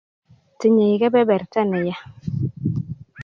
tinye kebeberta ne ya